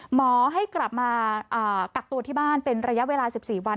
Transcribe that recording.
หมอให้กลับมากักตัวที่บ้านเป็นระยะเวลา๑๔วัน